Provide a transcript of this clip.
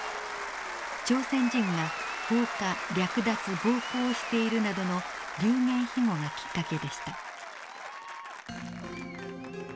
「朝鮮人が放火略奪暴行している」などの流言飛語がきっかけでした。